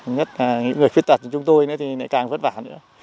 nhất là những người viết tật của chúng tôi thì lại càng vất vả nữa